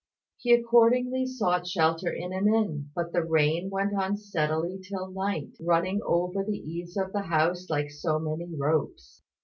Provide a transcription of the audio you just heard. He accordingly sought shelter in an inn, but the rain went on steadily till night, running over the eaves of the house like so many ropes.